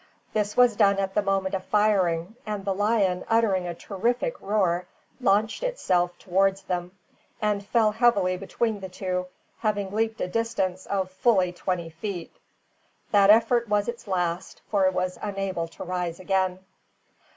This was done at the moment of firing; and the lion, uttering a terrific roar, launched itself towards them, and fell heavily between the two, having leaped a distance of full twenty feet. That effort was its last, for it was unable to rise again.